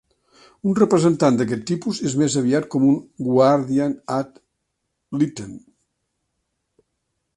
Un representant d'aquest tipus és més aviat com un "guardian ad litem".